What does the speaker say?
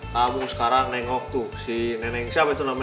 kamu sekarang nengok tuh si nenek siapa itu namanya